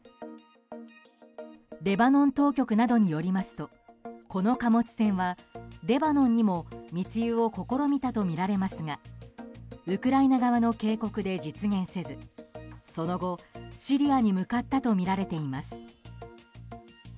レバノン当局などによりますとこの貨物船はレバノンにも密輸を試みたとみられますがウクライナ側の警告で実現せずその後、シリアに向かったとみられています。